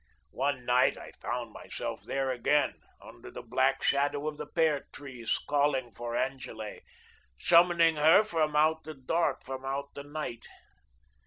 One night I found myself there again, under the black shadow of the pear trees calling for Angele, summoning her from out the dark, from out the night.